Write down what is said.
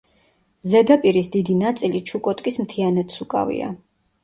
ზედაპირის დიდი ნაწილი ჩუკოტკის მთიანეთს უკავია.